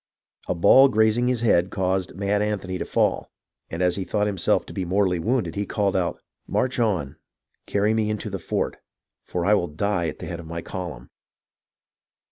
A ball grazing his head caused Mad Anthony to fall, and as he thought himself to be mortally wounded, he called out :" March on ! Carry me into the fort, for I will die at the head of my column